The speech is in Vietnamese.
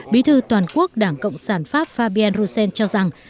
bí thư toàn quốc đảng cộng sản pháp fabien roussen cho rằng